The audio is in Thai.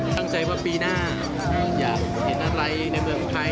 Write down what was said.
ตั้งใจว่าปีหน้าอยากเห็นอะไรในเมืองไทย